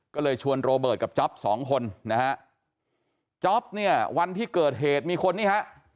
ก็เลยชวนโรเบิร์ตกับจ๊อปสองคนนะฮะจ๊อปเนี่ยวันที่เกิดเหตุมีคนนี่ฮะ